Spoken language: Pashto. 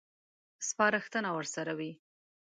سپارښتنه ورسره وي.